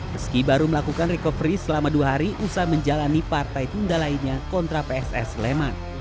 meski baru melakukan recovery selama dua hari usai menjalani partai tunda lainnya kontra pss sleman